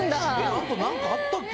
あと何かあったっけ？